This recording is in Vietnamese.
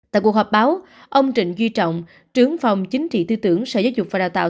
tại cuộc họp báo ông trịnh duy trọng trưởng phòng chính trị tư tưởng sở giáo dục và đào tạo